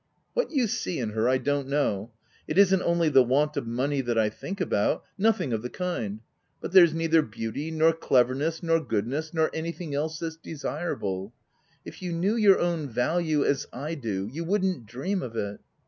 What you see in her I don't know r . It isn't only the want of money OF WILDPELL HALL. 81 that I think about — nothing of the kind — but there's neither beauty, nor cleverness, nor good ness, nor anything else that's desirable. If you knew your own value as I do, you wouldn't dream of it.